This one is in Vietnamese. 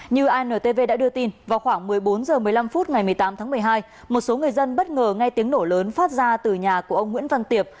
như intv đã đưa tin vào khoảng một mươi bốn h một mươi năm phút ngày một mươi tám tháng một mươi hai một số người dân bất ngờ nghe tiếng nổ lớn phát ra từ nhà của ông nguyễn văn tiệp